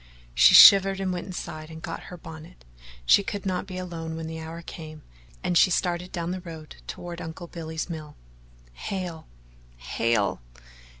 She shivered and went inside and got her bonnet she could not be alone when the hour came, and she started down the road toward Uncle Billy's mill. Hale! Hale!